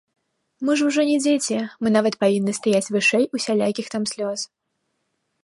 Мы ж ужо не дзеці, мы нават павінны стаяць вышэй усялякіх там слёз.